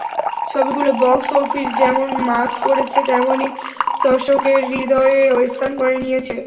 ছবিগুলো box office যেমন মাত করেছে, তেমনি দর্শকের হৃদয়েও স্থান করে নিয়েছে।